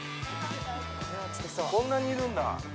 こんなにいるんだ。